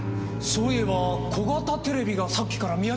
そういえば小型テレビがさっきから見当たらなくて。